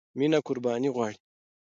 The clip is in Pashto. مینه قربانی غواړي.